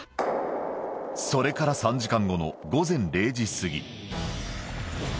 それから３時間後の午前０時過ぎ。